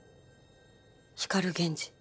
光源氏。